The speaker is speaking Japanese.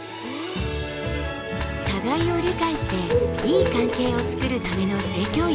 互いを理解していい関係を作るための性教育。